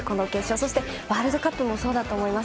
そしてワールドカップもそうだと思います。